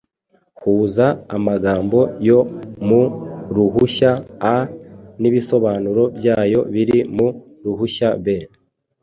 Huza amagambo yo mu ruhushya A n’ibisobanuro byayo biri mu ruhushya B